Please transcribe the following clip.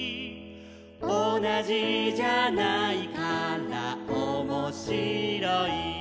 「おなじじゃないからおもしろい」